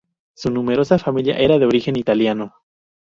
Su numerosa familia era de origen italiano.